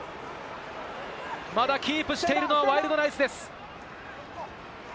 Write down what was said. まだキープしているのはワイルドナイツです。